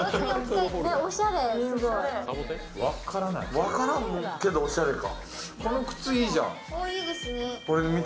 分からんけどおしゃれか。